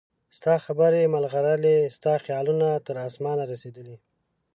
ستا خبرې مرغلرې ستا خیالونه تر اسمانه رسیدلي